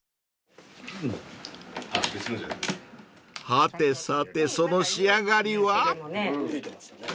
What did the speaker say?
［はてさてその仕上がりは？］